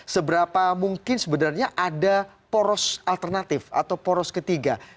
seberapa mungkin sebenarnya ada poros alternatif atau poros ketiga